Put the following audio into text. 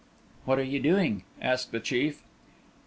"What are you doing?" asked the chief.